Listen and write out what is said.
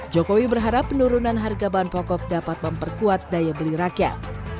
jokowi berharap penurunan harga bahan pokok dapat memperkuat daya beli rakyat